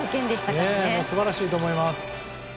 素晴らしいと思います。